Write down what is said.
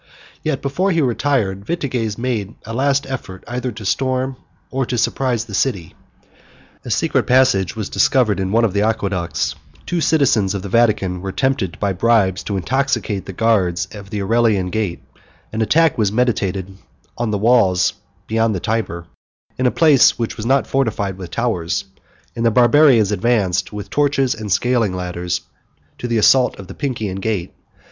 Yet, before he retired, Vitiges made a last effort, either to storm or to surprise the city. A secret passage was discovered in one of the aqueducts; two citizens of the Vatican were tempted by bribes to intoxicate the guards of the Aurelian gate; an attack was meditated on the walls beyond the Tyber, in a place which was not fortified with towers; and the Barbarians advanced, with torches and scaling ladders, to the assault of the Pincian gate.